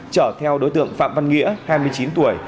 chở theo đối tượng phạm văn nghĩa hai mươi chín tuổi